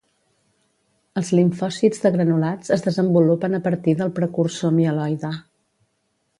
Els limfòcits de granulats es desenvolupen a partir del precursor mieloide.